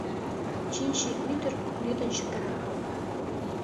Чинче ӱдыр лӱдын чытыра.